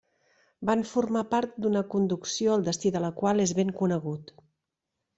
Van formar part d'una conducció el destí de la qual és ben conegut.